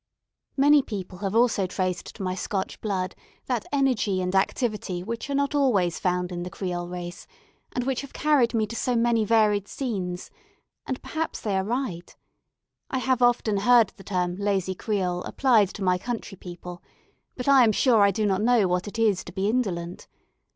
Many people have also traced to my Scotch blood that energy and activity which are not always found in the Creole race, and which have carried me to so many varied scenes: and perhaps they are right. I have often heard the term "lazy Creole" applied to my country people; but I am sure I do not know what it is to be indolent.